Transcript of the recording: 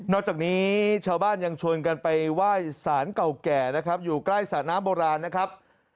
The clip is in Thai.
จากนี้ชาวบ้านยังชวนกันไปไหว้สารเก่าแก่นะครับอยู่ใกล้สระน้ำโบราณนะครับ